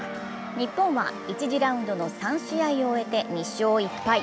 日本は１次ラウンドの３試合を終えて２勝１敗。